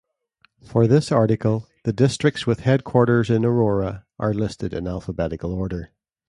For this article, the districts with headquarters in Aurora are listed in alphabetical order.